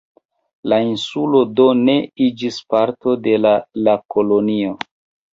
La insulo do ne iĝis parto de la la kolonio.